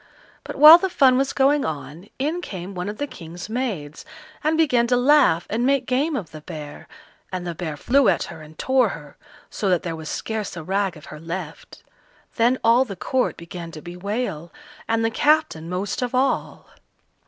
But while the fun was going on, in came one of the King's maids, and began to laugh and make game of the bear, and the bear flew at her and tore her, so that there was scarce a rag of her left. Then all the court began to bewail, and the captain most of all.